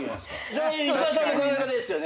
「それは石川さんの考え方ですよね」